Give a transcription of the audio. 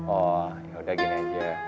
oh ya udah gini aja